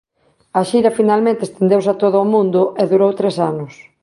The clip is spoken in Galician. A xira finalmente estendeuse a todo o mendo e durou tres anos.